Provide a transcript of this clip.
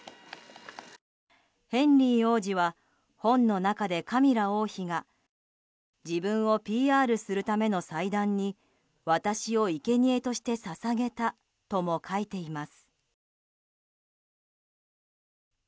ヘンリー王子は、本の中でカミラ王妃が自分をＰＲするための祭壇に私をいけにえとして捧げたとも書いています。